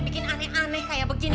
bikin aneh aneh kayak begini